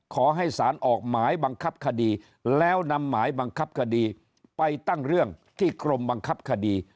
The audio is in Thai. ขอให้สารออกหมายบังคับคดีแล้วนำหมายบังคับคดีไปตั้งเรื่องที่กรมบังคับคดี